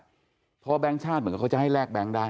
เพราะแบงค์ชาติเหมือนกับเขาจะให้แลกแบงค์ได้